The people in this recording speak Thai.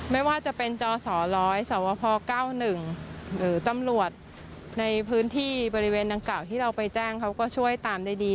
ไม่ว่าจะเป็นจสร้อยสวพ๙๑หรือตำรวจในพื้นที่บริเวณดังกล่าวที่เราไปแจ้งเขาก็ช่วยตามได้ดี